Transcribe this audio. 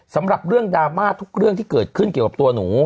สำหรับเรื่องดราม่าทุกเรื่องที่เกิดขึ้นเกี่ยวกับตัวหนู